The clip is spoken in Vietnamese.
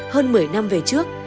hơn một mươi năm về trước